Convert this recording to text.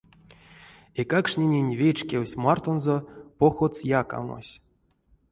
Эйкакштненень вечкевсь мартонзо походс якамось.